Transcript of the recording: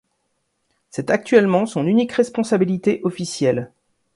C'est actuellement son unique responsabilité officielle.